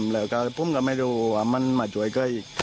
แล้วก็ผมก็ไม่รู้ว่ามันมาช่วยใคร